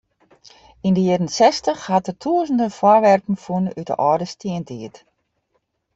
Yn de jierren sechstich hat er tûzenen foarwerpen fûn út de âlde stientiid.